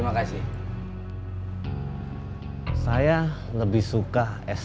jangan lupa like into them